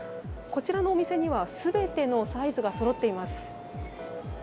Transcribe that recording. こちらのお店には、すべてのサイズがそろっています。